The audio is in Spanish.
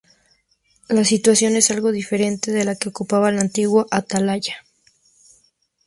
La situación es algo diferente de la que ocupaba la antigua Atalaya.